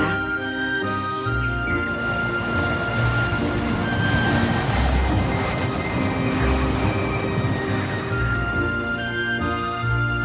pangeran dolor mengambil peluang untuk mencari makhluk